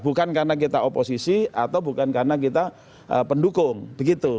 bukan karena kita oposisi atau bukan karena kita pendukung begitu